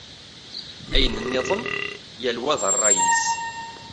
Ayen-nniḍen, yal wa d ṛṛay-is.